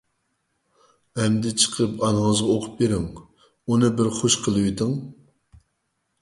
— ئەمدى چىقىپ ئانىڭىزغا ئوقۇپ بېرىڭ. ئۇنى بىر خۇش قىلىۋېتىڭ.